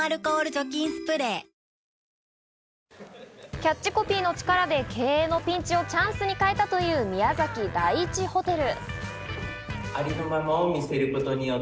キャッチコピーの力で経営のピンチをチャンスに変えたという宮崎第一ホテル。